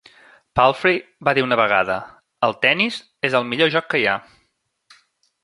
Palfrey va dir una vegada: el tennis és el millor joc que hi ha.